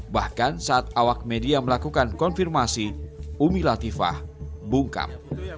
bahkan saat awak media melakukan konfirmasi umi latifah bungkam